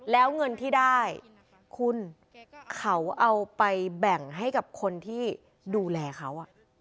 แล้วเงินที่ได้คุณเขาเอาไปแบ่งให้กับคนที่ดูแลเขา